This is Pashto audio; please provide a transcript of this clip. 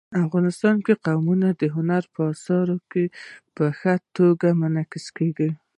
افغانستان کې قومونه د هنر په اثار کې په ښه توګه منعکس کېږي.